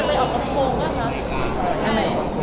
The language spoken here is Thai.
ได้ยินไหม